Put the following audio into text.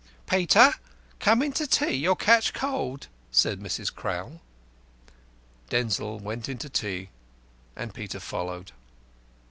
"Peter, come in to tea, you'll catch cold," said Mrs. Crowl. Denzil went in to tea and Peter followed.